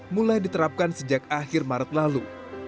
mulai diterapkan sejak akhir maret lalu